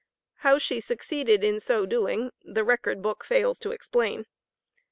How she succeeded in so doing the record book fails to explain.